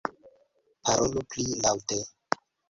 Parolu pli laŭte.